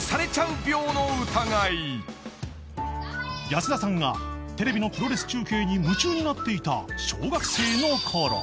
［安田さんがテレビのプロレス中継に夢中になっていた小学生のころ］